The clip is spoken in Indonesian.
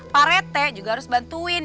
pak rete juga harus bantuin